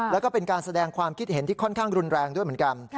แล้วก็เป็นการแสดงความคิดเห็นที่ค่อนข้างรุนแรงด้วยเหมือนกัน